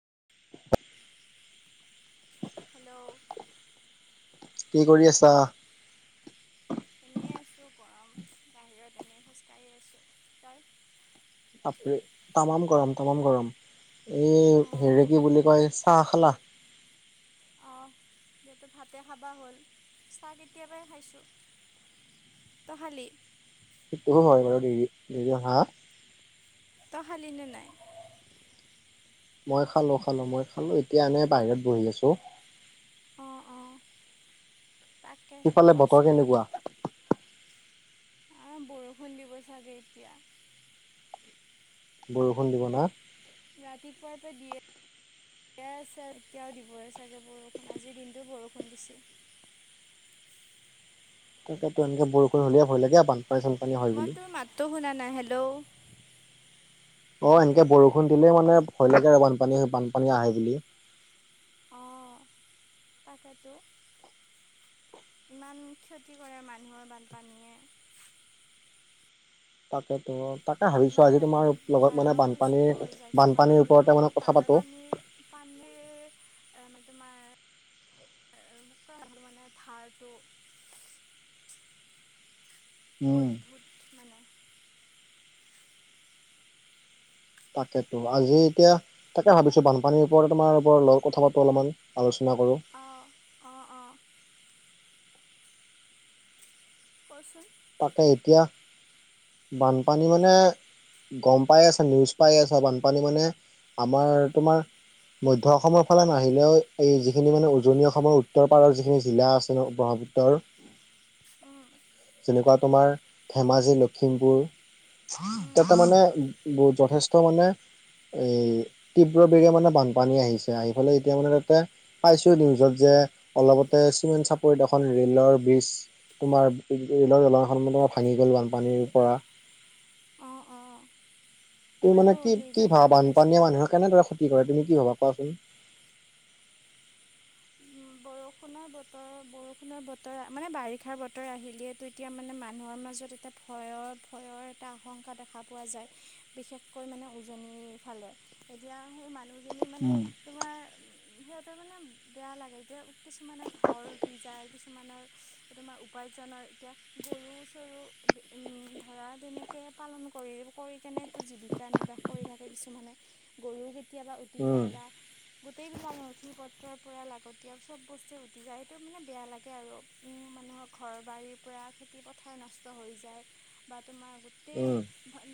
[inaudible] Hello কি কৰি আছা? এনে আছো গৰম বাহিৰত এনেই খোজ কঢ়ি আছো। তই? তামাম গৰম তামাম গৰম এই অঁ হেৰিক বুলি কয় চাহ খালা? আহ যহেতু ভাতে খাবা হ'ল চাহ কেতিয়াবাই খাইছো। তই খালী? সেইটো হয় বাৰু [unintelligible] হা তই খালি নে নাই? মই খালো খালো মই খালো এতিয়া এনে বাহিৰত বহি আছোঁ। অঁ অঁ। তাকে ইফালে বতৰ কচোন কেনেকুৱা? অ বৰষুণ দিব চাগে এতিয়া। বৰষুণ দিব না? ৰাতিপুৱাৰ পৰা দিয়ে। দিয়েই আছে এতিয়াও দিবই চাগে বৰষুণ আজিৰ দিনটো বৰষুণ দিছে। তাকে তো এনেকে বৰষুণ হ'লে ভয় লাগে পান। মই তোৰম মাতো শুনা নাই হেল্ল'। অ এনেকে বৰষুণ দিলে মানে ভয়লগে আৰু বানপানী বানপানী আহে বুলি। তাকেটো। ইমান ক্ষতি কৰে মানুহৰ বানপানীয়ে। তাকেত। তাকে ভাবিছো মানে আজি তোমাৰ বহুত লগত মানে ভয়ানক পৰিস্থিতিও বানপানীৰ হৈ যায় কিছুমান বানপানীৰ হয়তো ওপৰতে মানে কথা হাৰত পাতো। পানীৰ পানীৰ মানে [inaudible] তোমাৰ। মানে থাৰটো। উম। অদ্ভূত মানে। তাকেতো আজি এতিয়া তাকে ভাবিছো বানপানীৰ ওপৰত তোমাৰ ওপত কথা পাতো অলপমান আলোচনা। না কৰোঁ। অঁ অঁ অঁ কচোন। তাকে এতিয়া বানপানী মানে। গম পাই আছা নিউজ পাই আছ বানপানী মানে আমাৰ তোমাৰ। মধ্য অসমৰ ফালে নাহিলেও এই যিখিনি মানে উজনি অসমৰ উত্তৰ পাৰৰ যিখিনি জিলা আছে ন। উত্তৰ। উম যেনেকুৱা তোমাৰ ধেমাজি লখিমপুৰ। উম ততে উম মানে যথেষ্ট মানে। এ তীব্ৰ বিগ মানে বানপানী আহিছে। আহিফালে এতিয়া মানে তাতে পাইছো নিউজত যে। অলপতে চিমেণ্ট চাপৰিত এখন ৰে'লৰ বিজ তোমাৰ। ৰেলৰ দলং এখন মানে ভাঙি গ'ল বানপানীৰ পৰা। অঁ অঁ তুমি মানে ময়ো কি কি নিউজত ভা দেখা পাইছোঁ বানপানীয়া বাৰু মানুহৰ কেনেদৰে ক্ষতি কৰে তুমি। কি হ'বা কোৱাচোন। বৰষুণৰ বতৰ বৰষুণৰ বতৰ মানে বাৰিষাৰ বতৰ আহিলেইতটো এতিয়া মানে মানুহৰ মাজত। তাতে ভয়ৰ ভয়ৰ এটা আশংকা দেখা পোৱা যায়। বিশেষকৈ মানে উজনিৰ ফালে। এতিয়া সেই মানুহ। উম। সিহতঁ‌ৰ মানে। বেয়া লাগে। এতিয়া কিছুমানৰ ঘৰ উটি যায়। কিছুমানৰ তোমাৰ উপাৰ্জনৰ এতিয়া। গৰু চৰু উম ধৰা তেনেকে পালন কৰি কৰি কেনেটো জীৱিকা নিৰ্বাহ। কৰি থাকে। কিছুমানে গৰুও কেতিয়াবা উটি উম যায় বা গোটেইবিলাক নথি পত্ৰৰ। পৰা লাগতিয়াল চব বস্তুে উটি যায়। সেইটো মানে বেয়া লাগে আৰু উম মানুহৰ ঘৰ বাৰীৰ পৰা। খেতি পথাৰ নষ্ট হৈ যায় বা তোমাৰ গোটেই উম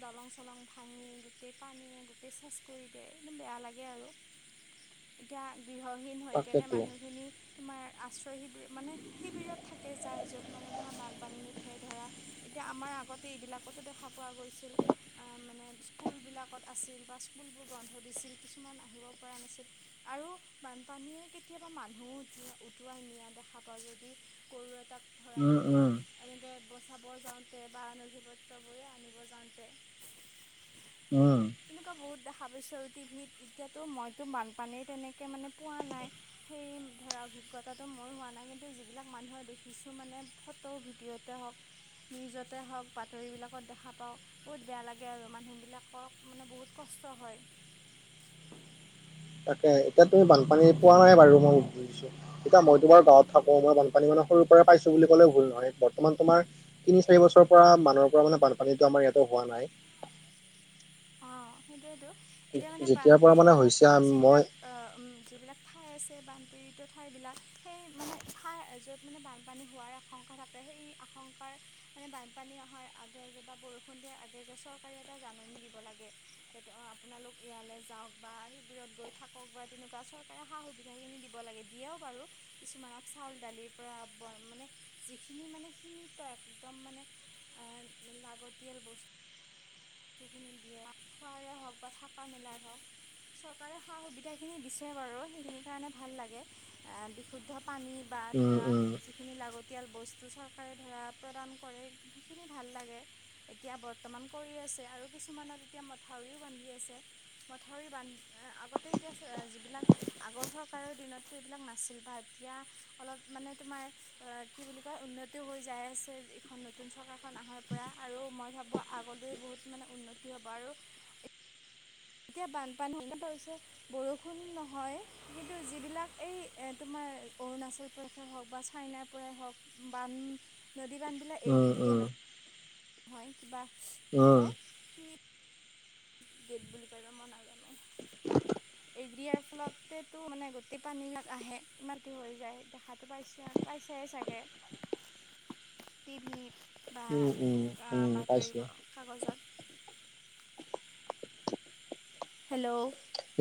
দলং ছলং। চলং ভাঙি গোটেই পানীয়ে গোটেই চেচ কৰি দিয়ে একদম বেয়া লাগে আৰু। এতিয়া গৃহহী। কেনে তাকেতো মানুহখিনি তোমাৰ। আশ্ৰয় শিবিৰ মানে শিবিৰত থাকে যায়। য'ত মানে তোমাৰ বানপানী নুঠে ধৰা এতিয়া আমাৰ। আগতে এইবিলাকতো দেখা পোৱা গৈছিল। আ মানে স্কুলবিলাকত আছিল বা স্কুলবোৰ বন্ধ। দিছিল কিছুমান আহিব পৰা নাছিল আৰু বানপানীয়ে কেত। কেতিয়াবা মানুহো উটুৱাই নিয়া দেখা পাওঁ। যদি গৰু এটাক। ধৰা উম তুমি উম এনেকে। বচাব যাওঁতে বা নথি পত্ৰ বোৰে আনিব যাওঁতে। উম। তেনেকুৱা বহুত দেখাব পাইছোঁ। টিভিত এতিয়াতো মইতো বানপানীৰ তেনেকৈ মানে পোৱা নাই। সেই [inaudible] ধৰা অভিজ্ঞতাটো মোৰ হোৱা নাই কিন্তু যিবিলাক মানুহৰ দেখিছোঁ মানে ফটো ভিডিঅ'তে হওক। নিউজতে হওঁক বাতৰি বিলাকত দেখা পাওঁ‌ বহুত। বেয়া লাগে আৰু মানুহ বিলাকক মানে বহুত কছ। ষ্ট হয়। [unintelligible] তাকে এতিয়া তুমি বানপানী পোৱা নাই বাৰু। মই বুজিছো এতিয়া মই তোমাৰ গাঁৱত থাকো মই বানপানী মানে সৰু। পাইছো বুলি কলেও ভুল নহয়। বৰ্তমান তোমাৰ তিনিৰি বছৰৰ পৰা মানৰ পৰা মানে বানপানীতো আমাৰ ইয়াতো হোৱা। নাই। অ সেইটোৱেইটো এতিয়া মানে যেতিয়াৰ পৰা মানে বানপীড়িত হৈছে মই যিবিলাক আ উম যিবিলাক ঠাই আছে বানপীড়িত ঠাইবিলাক সেই মানোৰ য'ত মানে বানপানী হোৱাৰ আশংকা থাকে। সেই আশংকাৰ। মানে বানপানী অহাৰ আগে আগে বা বৰষুণ দিয়াৰ আগে আগে চৰকাৰে এটা জাননী দিব লাগে। [inaudible] আপোনালোক ইয়ালৈ যাওক বা শিবিৰত গৈ থাকক বা তেনেকুৱা চৰকাৰে সা সুবিধা খিনি। দিব লাগে। দিয়েও বাৰু কিছুমানক চাউল দালিৰ পৰা মানে যিখিনি মানে সিমি। তো একদম মানেআ লাগতিয়াল বস্। টোখিনি দিয়ে খুৱাৰে হওক বা থাকা মেলাই হওক। চৰকাৰে সা সুবিধা খিনি দিছে বাৰু সেইখিনি কাৰণে ভাল লাগে আ বিশুদ্ধ পানী বা উম ধৰা উম যিখিনি লগত। তিয়াল বস্তু চৰকাৰে ধৰা প্ৰদান কৰে। সেইখিনি ভাল লাগে এতিয়া বৰ্তমান কৰি আছ। ছে আৰু কিছুমানত মঠাউৰিও বান্ধি আছে। মঠাউৰি বান আগতে এতিয়া ছে যিবিলাক। আগৰ চৰকাৰৰ দিনতো এইবিলাক নাছিল বা এতিয়া অলপ মানে তোমাৰ অ' কি বুলি। কয় উন্নতি হৈ যায় আছে। এইখন নতুন চৰকাৰখন আহাৰ পৰা আৰু মই ভাবোঁ আগলৈ বহুত। মানে উন্নতি হ'ব আৰু। এতিয়া বানপানী এনেকোৱা হৈছে বৰষুণ নহয় কিন্তু যিবিলাক এই এ তোমাৰ অৰুণাচল প্ৰদেশে হওক বা চাইনাৰ পৰাই হওক বান নদী বান্ধ বিলাক উম এৰি দি দিয়ে উম ন। হয় কিবা কি উম কয় কি গেট বুলি কয় মই নাজানো। এৰি দিয়াৰ ফলতেতো মানে গোটেই পানীবাক আহে ইমানি হৈ যায় দেখাতো পাইছে। পাইছাই চাগে। [unintelligible] তিভিত। উম উম উম পাইছো। কাগজত হেল্ল'।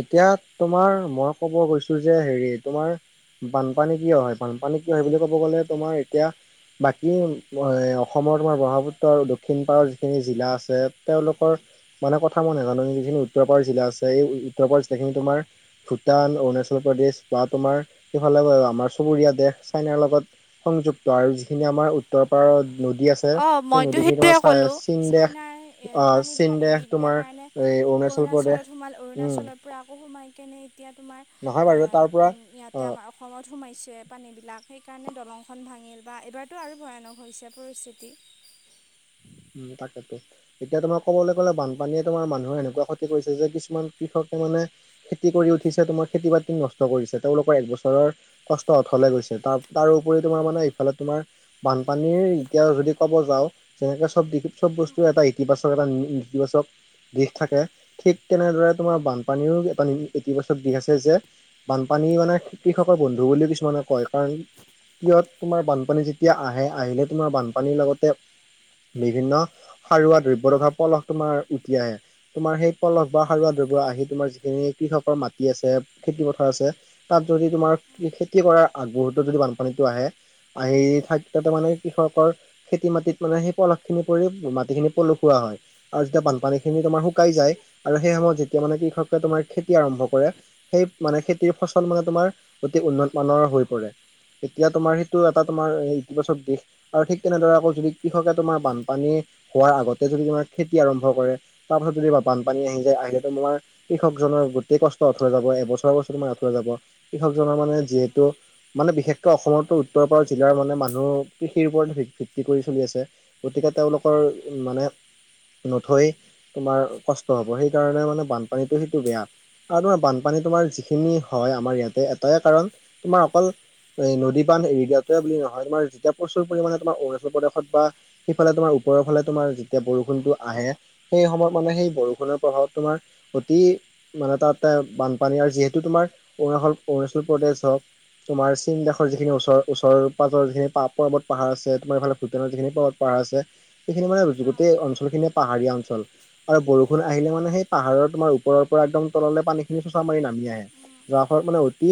এতিয়া তোমাৰ মই কব গৈছো যে হেৰি তোমাৰ বানপানী কি হয় বানপানী কি হয় বুলি ক'ব গ'লে তোমাৰ এতিয়া বাকী এ অসমৰ তোমাৰ ব্ৰহ্মপুত্ৰ দক্ষিণ পাৰৰ যিখিনি জিলা আছে তেওঁলোকৰ মানে কথা মই নেজানো যিখিউ উত্তৰ পাৰ জিলা আছে এই উত্তৰ পাৰৰ যিখিনি তোমাৰ ভূটান অৰুণাচল প্ৰদেশ বা তোমাৰ সেফালে আমাৰ চুবুৰীয়া দেশ। চাইনাৰ লগত সংযুক্ত আৰু যিখিনি আমাৰ উত্তৰ পাৰত নদী আছে অঁ সেই মইতো নদীখিনি তোমাৰ সেইটোৱে চা ক'লোঁ চীনদেশ চাইনাৰ অ পানীবিলাক এৰি চীনদেশ দিলে তোমাৰ কাৰণে এই এই অৰুণাচল প্ৰদেশ অৰুণাচলত সোমাল উম অৰুণাচলৰ পৰা আকৌ সোমাই কেনে এতিয়া তোমাৰ নহয় বাৰু তাৰ পৰা অ ইয়াতে আমাৰ অসমত সোমাইছে। পানীবিলাক সেইকাৰণে দলংখন ভাঙিল বা এইবাৰতো আৰু ভয়ানক হৈছে পৰিস্থিতি। উম তাকেতো এতিয়া তোমাৰ কবলৈ গ'লে বানপানীয়ে তোমাৰ মানুহে এনেকোৱা ক্ষতি কৰিছে যে কিছুমান কৃষক। কে মানে খেতি কৰি উঠিছে তোমাৰ খেতি বাতি নষ্ট কৰিছে তেওঁলোকৰ একবছৰৰ কষ্ট অথলে গৈছ ছে তা তাৰ উপৰি তোমাৰ ইফালে তোমাৰ বানপানীৰ এতিয়া যদি কব যাও তেনেকে চব চব বস্তুৱে এটা ইতিবাচক এটা ইতিবাচক। দিশ থাকে ঠিক তেনেদৰে তোমাৰ উম বানপানীও এটা ইতিবাচক দিশ আছে যে বানপানী মানে কৃষকৰ বন্ধু বুলিও কিছুমানে কয় কাৰণ কিয়ত তোমাৰ বানপানী যেতিয়া আহে আহিলে তোমাৰ বানপানীৰ লগতে বিভিন্ন সাৰুৱা দ্ৰব্য থকা পলস তোমাৰ উটি আহে তোমাৰ সেই পলস বা উম সাৰুৱা দ্ৰব্য তোমাৰ যিখিনি কৃষকৰ মাটি আছে খেতি পথাৰ আছে তাত যদি তোমাৰ উম খেতি কৰা বহুতো যদি বানপানীটো আহে আহি থাক ত উম মানে কৃষকৰ খেতি মাটিত মানে সেই পলস যিখিনি পৰি মাটি খিনি পলুসা হয় আৰু যেতিয়া বানপানী খিনি তোমাৰ উম শুকাই যায় আৰু সেই সময়ত যেতিয়া মানে কি কৃষকে তোমাৰ খেতি আৰম্ভ কৰে সেই মানে খেতিৰ ফচল মানে তোমাৰ অতি উন্নত মানৰ হৈ পৰে এতিয়া তোমাৰ সেইটো এটা তোমাৰ ইতিবাচক দিশ আৰু ঠিক তেনেদৰে আকৌ যদি কৃষকে তোমাৰ বানপানী হোৱাৰ আগতে যদি তোমাৰ খেতি আৰম্ভ কৰে তাৰ পাছত যদি বানপানী আহি যায় আহিলেতো তোমাৰ কৃষকজনৰ গোটেই কষ্ট অথলে যাব এবছৰ বছৰ মান অথলে যাব কৃষকজনৰ মানে যিহেতু উম মানে বিশেষকৈ অসমতো উত্তৰ পাৰত জিলাৰ মানে মানুহ কৃষিৰ ওপৰতে ভিত্তি কৰি চলি আছে গতিকে তেওঁলোকৰ উম মানে নথৈ তোমাৰ কষ্ট হ'ব সেই কাৰণে মানে বানপানীটো সেইটো বেয়া আৰু তোমাৰ বান মানে তোমাৰ যিখিনি হয় আমাৰ ইয়াতে এটাই কাৰন তোমাৰ অকল এই নদী বান এৰি দিয়াতোৱে বুলি নহয় তোমাৰ যেতিয়া প্ৰচুৰ পৰিমাণে তোমাৰ অৰুণাল প্ৰদেশত বা সেইফালে তোমাৰ ওপৰৰ ফালে তোমাৰ যেতিয়া বৰষুণটো আহে সেই সময়ত মানে সেই বৰষুণৰ প্ৰভাৱ তোমাৰ অতি মানে তাত বানপানী আৰু যিহেতু তোমাৰ অৰুণাচল অৰুণাচল প্ৰদেশ হওক তোমাৰ চীন দেশৰ যিখিনি ওচৰ ওচৰ পাজৰ যিখিনি পৰ্বত পাহাৰ আছে তোমাৰফালে ভূটানৰ যিখিনি পৰ্বত পাৰ আছে সেখিনি মানে অঁ গোটেই অঞ্চল খিনিয়ে পাহাৰীয়া অঞ্চল আৰু বৰু কেতিয়াবা আহিলে মানে সেই পাহাৰৰ তোমাৰ ওপৰৰ পৰা একদম তললে পানীখিনি চোচা মাৰি নামি আহে জাসৰ মানে অতি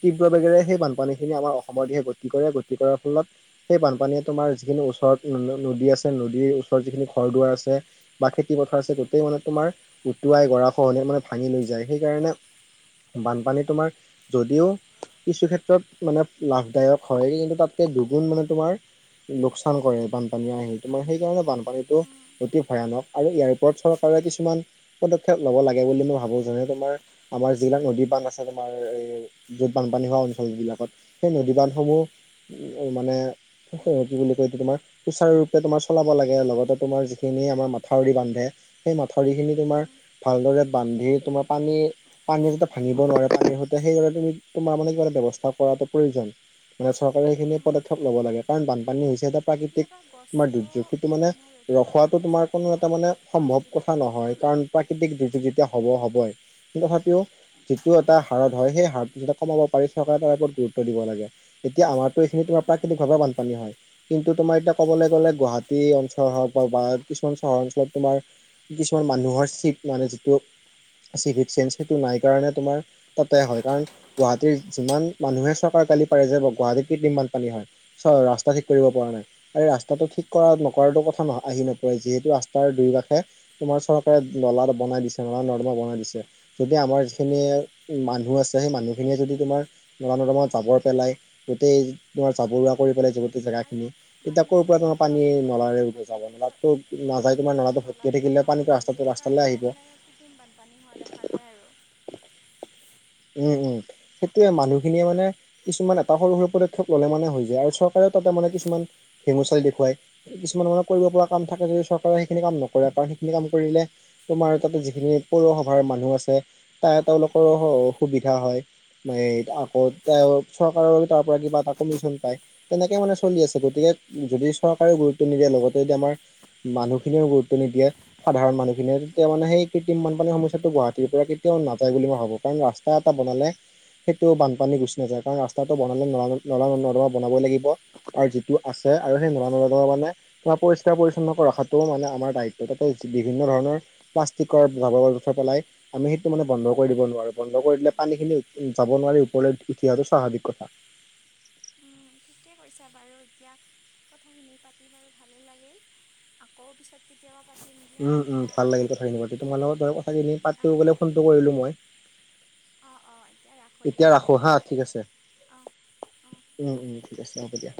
তীব্ৰ বেগেৰে সেই বানপানীখিনি আমাৰ অসমৰ দিশে গতি কৰে গতি কৰাৰ ফলত সেই বানপানীয়ে তোমাৰ যিখিনি ওচৰত নদী আছে নদীৰ ওচৰত যিখিনি ঘৰ দুৱাৰ আছে বা খেতি পথাৰ আছে গোটেই মানে তোমাৰ উটুৱাই গৰাখহনিয়াই মানে ভাঙি লৈ যায় সেইকাৰণে বানপানী তোমাৰ যদিও কিছু ক্ষেত্ৰত মানে লাভদায়ক হয় কিন্তু তাতকে দুগুণ মানে তোমাৰ লোকচান কৰে। বানপানী সেইকাৰণে বানপানীটো অতি ভয়ানক আৰু ইয়াৰ ওপৰত চৰকাৰে কিছুমান পক্ষত লব লাগে বুলি মই ভাবো যেনে তোমাৰ আমাৰ যিবিলাক নদী বান্ধ আছে তোমাৰ যত বানপানী অঞ্চল বিলাকত সেই নদী বান্ধসমূহ উম, মানে কি বুলি কয় এইতো তোমাৰ সুচাৰুৰূপে তোমাৰ চলাব লাগে লগতে তোমাৰ যিখিনি আমাৰ মাথাউৰি বান্ধে সেই মাথাউৰি খিনি তোমাৰ ভালদৰে বান্ধি তোমাৰ পানী পানী যাতে ভাঙিব নোৱাৰে পানীৰ সৈতে সেই তোমাৰ মানে কিবা এটা ব্যৱস্থা কৰাটো প্ৰয়োজন। মানে চৰকাৰে এইখিনি পদক্ষেপ ল'ব লাগে কাৰণ বানপানী হৈছে এটা প্ৰাকৃতিক তোমাৰ গছেও দুৰ্যোগ সেইটো মানে ৰক্ষা ৰখোৱাটো কৰে তোমাৰ চাগে কোনো ন এটা মানে সম্ভৱ কথা গছবিলাকো ৰুব নহয় কাৰণ লাগে প্ৰাকৃতিক যিটো যেতিয়া হ'ব হবই। তথাপিও যিটো এটা হাৰত হয় সেই হাৰটো কমাব পাৰি চৰকাৰে তাৰ ওপৰত গুৰুত্ব দিব লাগে। এতিয়া আমাৰতো এইখিনি তোমাৰ প্ৰাকৃতিক অঁ ভাৱে বানপানী হয় কিন্তু তোমাৰ এতিয়া ক'বলৈ গ'লে গুৱাহাটী অঞ্চলৰ পৰা বা কিছুমান চহৰ অঞ্চলত তোমাৰ কিছুমান মানুহৰ চিপ মানে যিটো চেন চিপ টো নাই কাৰণে তোমাৰ তাতে হয় কাৰণ গুৱাহাটীৰ যিমান মানুহে চৰকাৰ কালি পাৰে যে গুৱাহাটীত কৃত্ৰিম বান পানী হয় চ ৰাস্তা ঠিক কৰিব পৰা নাই। আৰু ৰাস্তাটো ঠিক কৰা নকৰাটো কথা আহি নপৰে যিহেতু ৰাস্তাৰ দুই কাষে তোমাৰ চৰকাৰে নলা বনাই দিছে নলা নৰ্দমা বনাই দিছে যদি আমাৰ যিখিনি উম, মানুহ আছে সেই মানুহখিনিয়ে যদি তোমাৰ নলা নৰ্দমা জাবৰ পেলাই গোটেই তোমাৰ জাবৰুৱা কৰি পেলাই গোটেই আৰু জেগাখিনি এতিয়া মানুহে ক'ৰ পৰা তোমাৰ নলাটো পানী আগত বনাই নলাৰে ল'ব ও লাগে যাব কিন্তু সেই নলাতো নাযাই গুৱাহাটীৰ তোমাৰ মানুহে নলাটো ভৰ্ত্তি হৈ নলাবিলাক থাকিলে পানীটো নবনায় যে ৰাস্তাটো - ৰাস্তা সেইকাৰণেও মানে কৃক্ৰিম বানপানী হোৱা দেখা যায় আৰু। উম উম - উম সেইটোয়ে মানুহখিনিয়ে মানে কিছুমান এটা সৰু - সৰু পদক্ষেপ ল'লে মানে হৈ যায় আৰু চৰকাৰেও তাতে মানে কিছুমান ভেমু চালি দেখুৱাই কিছুমান মানে কৰিব পৰা কাম থাকে যদি চৰকাৰে সেইখিনি কাম নকৰে কাৰণ সেইখিনি কাম কৰিলে। তোমাৰ তাতে যিখিনি পৌৰসভাৰ মানুহ আছে তাই তেওলোকৰো অসুবিধা হয়। মান [unintelligible] আকৌ চৰকাৰৰ তাৰ পৰা কিবা এটা কমিশন পাই তেনেকে মানে চলি আছে গতিকে যদি চৰকাৰেও গুৰুত্ব নিদিয়ে লগতে যদি আমাৰ মানুহখিনিও গুৰুত্ব নিদিয়ে সাধাৰণ মানুহখিনিয়ে তেতিয়া মানে সেই কৃত্ৰিম বানপানীৰ সমস্যাটো গুৱাহাটীৰ পৰা কেতিয়াও নাযায় বুলি মই ভাবো কাৰণ ৰাস্তা এটা বনালে সেইটো বানপানী গুচি নাযায় কাৰণ ৰাস্তাটো বনালে নলা - নলা নৰ্দমা বনাবই লাগিব আৰু যিটো আছে আৰু সেই নলা নৰ্দমা মানে পৰিষ্কাৰ পৰিচ্ছন্ন ৰখাটো মানে আমাৰ দায়িত্ব। তাতে বিভিন্ন ধৰণৰ প্লাষ্টিকৰ জাৱৰ-জোথৰ পেলাই আমি সেইটো মানে বন্ধ কৰি দিব নোৱাৰো। বন্ধ কৰি দিলে পানী খিনি যাব নোৱাৰি ওপৰলৈ উঠি অহাটো স্বাভাৱিক কথা। ঠিকে কৈছা বাৰু। এতিয়া কথাখিনি পাতি বাৰু ভালে লাগিল। আকৌ পিছত কেতিয়াবা পাতিম দিয়া উম - উম এতিয়া ভাল লাগিল ৰাখোঁ কথাখিনি দিয়া পাতি তোমাৰ লগত ধৰ কথাখিনি পাতি অঁ বলে ফোনটো কৰিলো মই। অঁ অঁ এতিয়া ৰাখোঁ দিয়া এতিয়া ৰাখো হা ঠিক আছে অঁ অঁ উম - উম। ঠিক আছে হব দিয়া।